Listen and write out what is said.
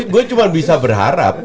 gue cuma bisa berharap